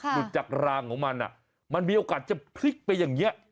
หลุดจากรางของมันมันมีโอกาสจะพลิกไปอย่างนี้